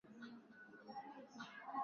ni kwamba waandishi wanafanya kazi zao